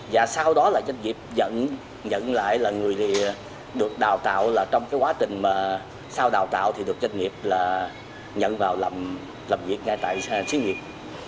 và sau đó là doanh nghiệp nhận lại là người được đào tạo là trong cái quá trình mà sau đào tạo thì được doanh nghiệp là nhận vào làm việc ngay tại xí nghiệp